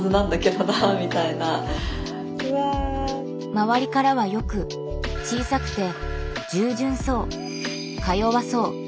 周りからはよく小さくて「従順そう」「か弱そう」